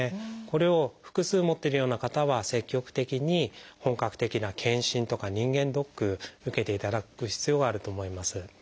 これを複数持ってるような方は積極的に本格的な検診とか人間ドック受けていただく必要があると思います。